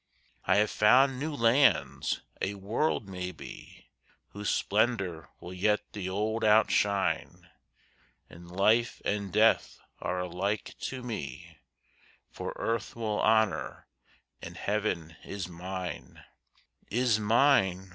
I have found new Lands a World, maybe, Whose splendor will yet the Old outshine; And life and death are alike to me, For earth will honor, and heaven is mine Is mine!